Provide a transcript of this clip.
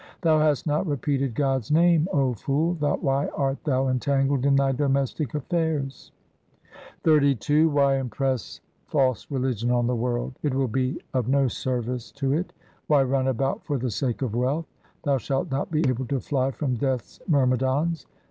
Thou hast not repeated God's name, O fool ; why art thou entangled in thy domestic affairs ? XXXII Why impress false religion on the world ? It will be of no service to it. Why run about for the sake of wealth ? thou shalt not be able to fly from Death's myrmidons.